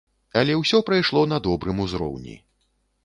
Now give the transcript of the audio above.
Але ўсё прайшло на добрым узроўні.